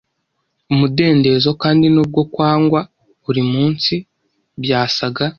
umudendezo, kandi nubwo kwangwa buri munsi, byasaga